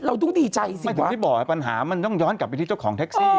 เราต้องดีใจสิผมที่บอกปัญหามันต้องย้อนกลับไปที่เจ้าของแท็กซี่